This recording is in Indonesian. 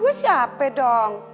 tempat gue siapa dong